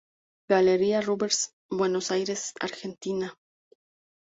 Galería Rubbers.Buenos Aires, Argentina.